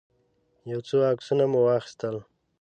يو څو عکسونه مو واخيستل.